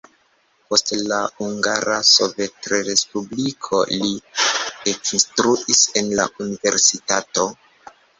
Post la Hungara Sovetrespubliko li ekinstruis en la universitato.